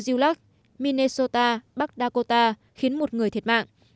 dulac minnesota bắc dakota khiến một người thiệt mạng